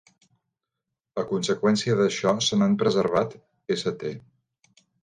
A conseqüència d'això, se n'han preservat st.